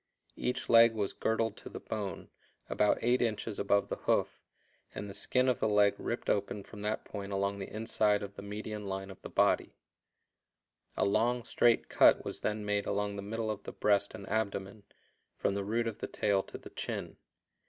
Each leg was girdled to the bone, about 8 inches above the hoof, and the skin of the leg ripped open from that point along the inside to the median line of the body. A long, straight cut was then made along the middle of the breast and abdomen, from the root of the tail to the chin.